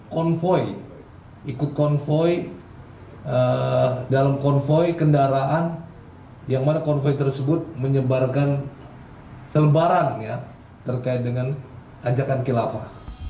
konvoy ikut konvoy dalam konvoy kendaraan yang mana konvoy tersebut menyebarkan selebaran terkait dengan ajakan kilafah